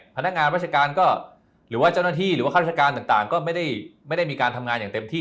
พนักงานราชการก็หรือว่าเจ้าหน้าที่หรือว่าข้าราชการต่างก็ไม่ได้มีการทำงานอย่างเต็มที่